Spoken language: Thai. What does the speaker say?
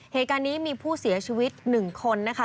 เหตุการณ์นี้มีผู้เสียชีวิต๑คนนะคะ